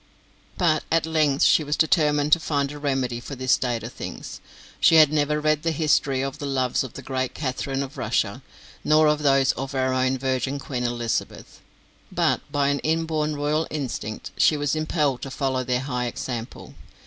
But at length she was determined to find a remedy for this state of things. She had never read the history of the loves of the great Catherine of Russia, nor of those of our own virgin Queen Elizabeth, but by an inborn royal instinct she was impelled to follow their high example.